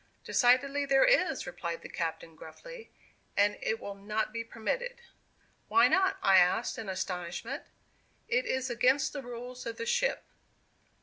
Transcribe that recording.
"Decidedly there is," replied the captain, gruffly; "and it will not be permitted." "Why not?" I asked, in astonishment. "It is against the rules of the ship."